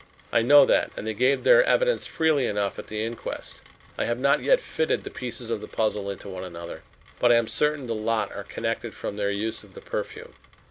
"I know that, and they gave their evidence freely enough at the inquest. I have not yet fitted the pieces of the puzzle into one another, but I am certain the lot are connected from their use of the perfume.